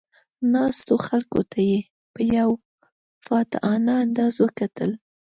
ناستو خلکو ته یې په یو فاتحانه انداز وکتل.